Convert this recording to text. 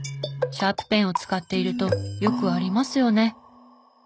シャープペンを使っているとよくありますよね。